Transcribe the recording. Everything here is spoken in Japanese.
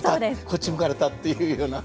こっち向かれた」っていうような。